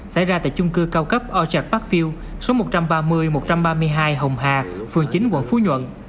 xảy ra tại chung cư cao cấp orchard parkview số một trăm ba mươi một trăm ba mươi hai hồng hà phường chín quận phú nhận